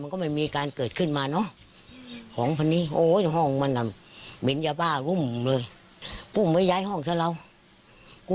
แก่๗๑ปีไม่เคยเห็นนี่มาฟ้านว่าเป็นในหนังจนดีเลย